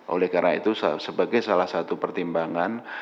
oleh karena itu sebagai salah satu pertimbangan